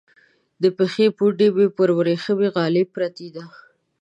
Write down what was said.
د پښې پونډۍ مو پر ورېښمینې غالی پرته ده.